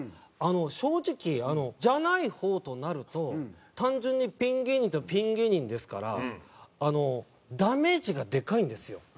正直あのじゃない方となると単純にピン芸人とピン芸人ですからあのダメージがでかいんですよ。